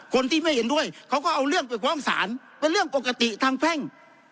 คนที่ไม่เห็นด้วยเขาก็เอาเรื่องไปฟ้องศาลเป็นเรื่องปกติทางแพ่ง